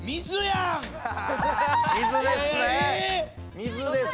⁉水ですね。